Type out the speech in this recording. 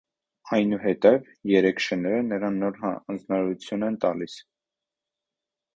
Այնուհետև երեք շները նրան նոր հանձնարարություն են տալիս։